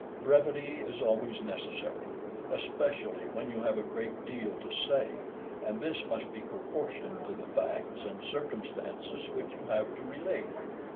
Brevity is always necessary, especially when you have a great deal to say, and this must be proportioned to the facts and circumstances which you have to relate.